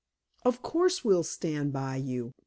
"Of course, we'll stand by you!"